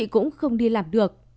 cũng không đi làm được